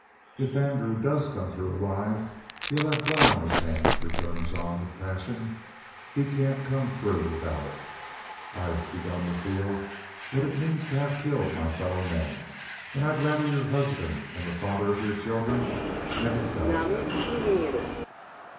"If Andrew DOES come through alive he'll have blood on his hands," returned Jean, with passion. "He can't come through without it.... I've begun to feel what it means to have killed my fellow men.... An' I'd rather your husband an' the father of your children never felt that."